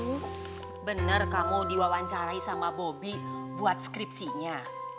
bu bener kamu diwawancarai sama bobby buat skripsinya